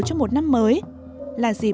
cho một năm mới